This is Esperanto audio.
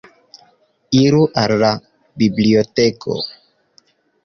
Iru al la biblioteko.